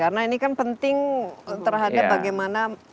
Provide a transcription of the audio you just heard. karena ini kan penting terhadap bagaimana